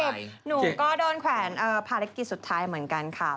หนูก็โดนแขวนภารกิจสุดท้ายเหมือนกันค่ะ